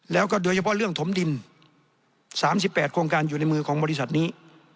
แล้วก็โดยเฉพาะเรื่องถมดิน๓๘โครงการอยู่ในมือของบริษัทนี้